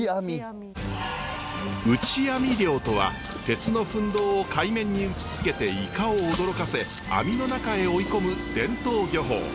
打ち網漁とは鉄の分銅を海面に打ちつけてイカを驚かせ網の中へ追い込む伝統漁法。